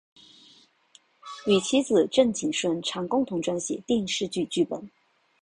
与妻子郑景顺常共同撰写电视剧剧本。